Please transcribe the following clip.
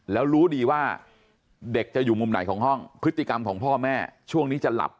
แล้วรู้ดีว่าเด็กจะอยู่มุมไหนของห้องพฤติกรรมของพ่อแม่ช่วงนี้จะหลับ